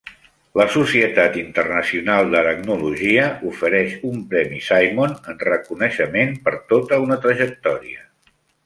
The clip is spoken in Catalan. La Societat internacional d'aracnologia ofereix un premi Simon en reconeixement per tota una trajectòria.